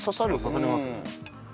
刺さりますね。